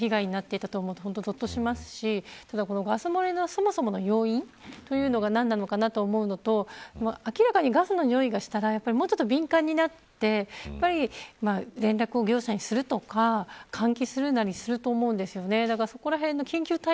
人がもっと激しく行き来しているときに起きていたとしたらもっと甚大な被害になっていたと思うとぞっとしますしただガス漏れのそもそもの要因というのが何なのかなと思うのと明らかにガスの臭いがしたらもうちょっと敏感になって連絡を業者にするとか換気するなりすると思うんですよね。